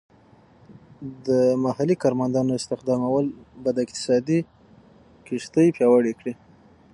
د محلی کارمندانو استخدامول به د اقتصاد کښتۍ پیاوړې کړي.